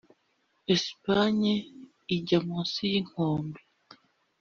espanye ijya munsi yinkombe